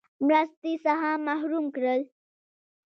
مرستې څخه محروم کړل.